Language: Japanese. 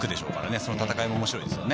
その戦いも面白いですね。